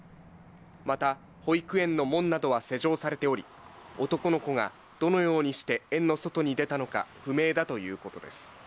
また、保育園の門などは施錠されており、男の子がどのようにして園の外に出たのか不明だということです。